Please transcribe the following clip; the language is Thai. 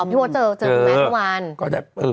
อ๋อพี่โมดเจอแมทเมื่อวาน